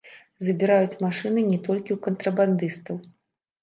Забіраюць машыны не толькі ў кантрабандыстаў.